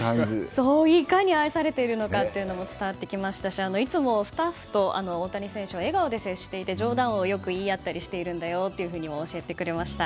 いかに愛されているかも伝わってきましたしいつもスタッフと大谷選手は笑顔で接していて冗談をよく言い合ったりしているんだよと教えてくれました。